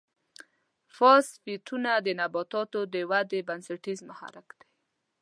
فاسفیټونه د نباتاتو د ودې بنسټیز محرک دی.